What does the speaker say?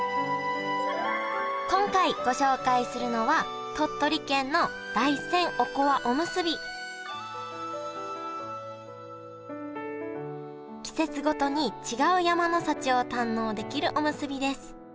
今回ご紹介するのは季節ごとに違う山の幸を堪能できるおむすびです。